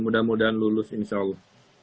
mudah mudahan lulus insya allah